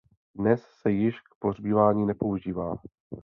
Dnes se již k pohřbívání nepoužívá.